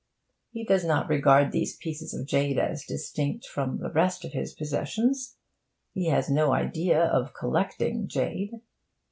He does not regard these pieces of jade as distinct from the rest of his possessions; he has no idea of collecting jade.